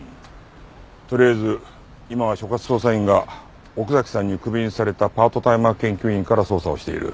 とりあえず今は所轄捜査員が奥崎さんにクビにされたパートタイマー研究員から捜査をしている。